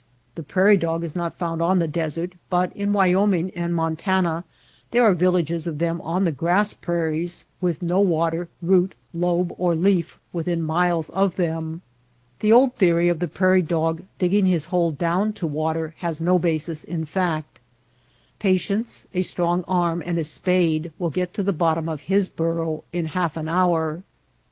The prairie dog is not found on the desert, but in Wyoming and Montana there are villages of them on the grass prairies, with no water, root, lobe, or leaf within miles of them. The old theory of the prairie dog digging his hole down to water has no basis in fact. Patience, a strong arm and a spade will get to the bottom of his burrow in half an hour.